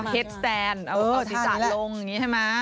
อ๋อเฮ็ดแสนเอาที่จัดลงอย่างนี้ใช่ไหม